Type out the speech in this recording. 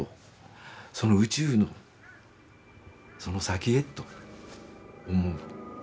その宇宙のその先へと思う。